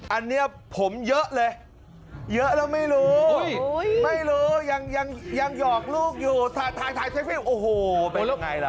อันนี้ผมเยอะเลยเยอะแล้วไม่รู้ไม่รู้ยังหยอกลูกอยู่ถ่ายเซ็กซี่โอ้โหเป็นยังไงล่ะ